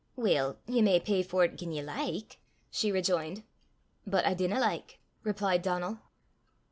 "Weel, ye may pey for 't gien ye like," she rejoined. "But I dinna like," replied Donal.